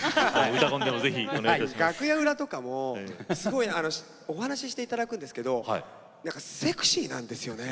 楽屋裏とかも、すごいお話ししていただくんですけれどもセクシーなんですよね。